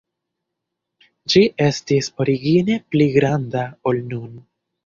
Ĝi estis origine pli granda, ol nun.